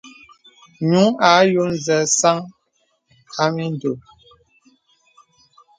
Ǹyùŋ à yɔ zə sàŋ à mìndɔ̀.